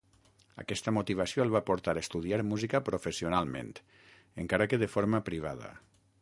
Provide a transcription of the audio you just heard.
Aquesta motivació el va portar a estudiar música professionalment, encara que de forma privada.